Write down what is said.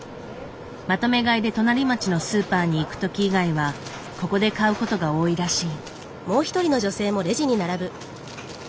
まとめ買いで隣町のスーパーに行くとき以外はここで買うことが多いらしい。